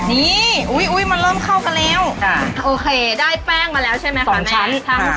นี่อุ๊ยมันเริ่มเข้ากันแล้วโอเคได้แป้งมาแล้วใช่ไหมสองชั้น